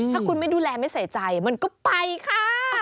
ถ้าคุณไม่ดูแลไม่ใส่ใจมันก็ไปค่ะ